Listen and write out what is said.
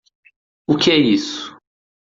O que é isso?